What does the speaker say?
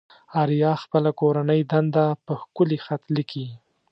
آريا خپله کورنۍ دنده په ښکلي خط ليكي.